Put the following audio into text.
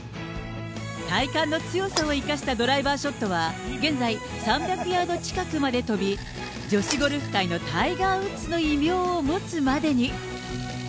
体幹の強さを生かしたドライバーショットは、現在、３００ヤード近くまで飛び、女子ゴルフ界のタイガー・ウッズの異名を持つまでに。